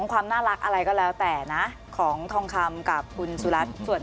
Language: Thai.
พอบใจตัวเองด้วย